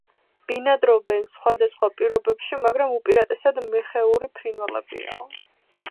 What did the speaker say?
ბინადრობენ სხვადასხვა პირობებში, მაგრამ უპირატესად მეხეური ფრინველებია.